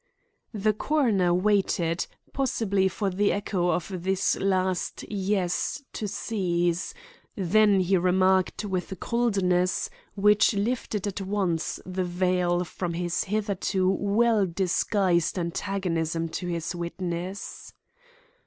The coroner waited, possibly for the echo of this last "yes" to cease; then he remarked with a coldness which lifted at once the veil from his hitherto well disguised antagonism to this witness.